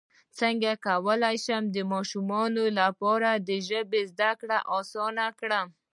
څنګه کولی شم د ماشومانو لپاره د ژبې زدکړه اسانه کړم